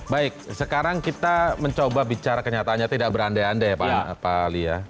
baik sekarang kita mencoba bicara kenyataannya tidak berandai andai ya pak ali ya